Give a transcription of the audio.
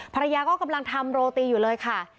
ภรรยาก็กำลังทำโรตีอยู่เลยค่ะ